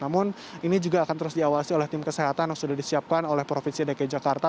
namun ini juga akan terus diawasi oleh tim kesehatan yang sudah disiapkan oleh provinsi dki jakarta